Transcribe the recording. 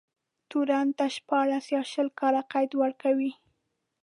تورن ته شپاړس يا شل کاله قید ورکوي.